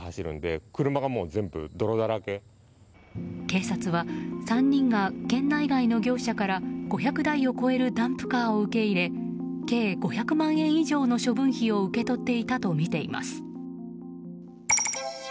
警察は３人が県内外の業者から５００台を超えるダンプカーを受け入れ計５００万円以上の処分費を受け取っていたとみています。